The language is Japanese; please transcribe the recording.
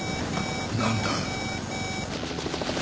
何だ？